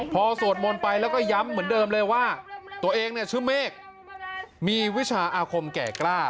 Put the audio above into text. พอสวดมนต์ไปแล้วก็ย้ำเหมือนเดิมเลยว่าตัวเองเนี่ยชื่อเมฆมีวิชาอาคมแก่กล้า